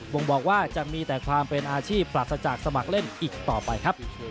่งบอกว่าจะมีแต่ความเป็นอาชีพปราศจากสมัครเล่นอีกต่อไปครับ